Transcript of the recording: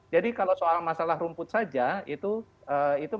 jadi kalau soal masalah rumput saja itu masalah yang sangat penting